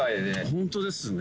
ホントですね。